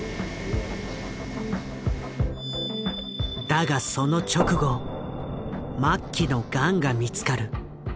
だがその直後末期のガンが見つかる。